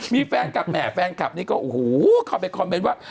มีแฟนกลับแหมแฟนกลับนี้ก็เข้าไปคอมเมนต์ว่า